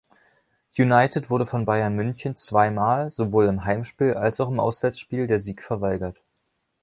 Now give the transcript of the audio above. United wurde von Bayern München zweimal sowohl im Heimspiel als auch im Auswärtsspiel der Sieg verweigert.